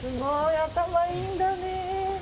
頭いいんだね。